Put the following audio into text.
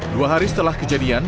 dua hari setelah kejadian